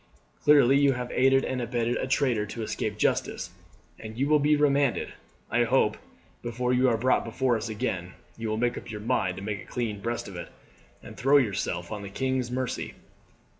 Clearly you have aided and abetted a traitor to escape justice, and you will be remanded. I hope, before you are brought before us again, you will make up your mind to make a clean breast of it, and throw yourself on the king's mercy."